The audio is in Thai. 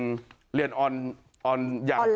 ก็จะเรียนออนไลน์